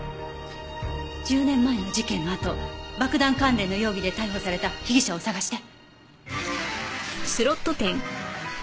１０年前の事件のあと爆弾関連の容疑で逮捕された被疑者を探して。